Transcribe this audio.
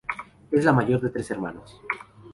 Es la mayor de tres hermanos.